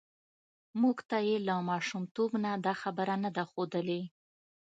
موږ ته یې له ماشومتوب نه دا خبره نه ده ښودلې